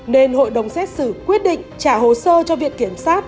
nên hội đồng xét xử quyết định trả hồ sơ cho viện kiểm sát